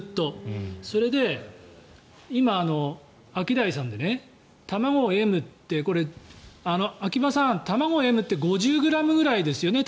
それで、今、アキダイさんで卵Ｍってこれ、秋葉さん卵Ｍって５０ｇぐらいですよね。